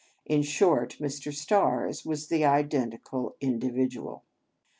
In short, Mr. Stars was the identical indi vidual!